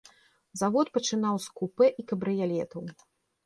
Завод пачынаў з купэ і кабрыялетаў.